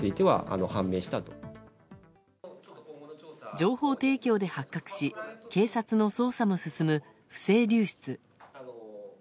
情報提供で発覚し警察の捜査も進む不正流出。